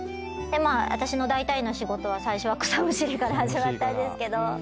私のだいたいの仕事は最初は草むしりから始まったんです。